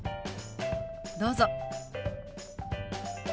どうぞ。